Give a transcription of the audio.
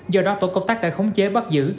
do đó tổ công tác đã khống chế bắt giữ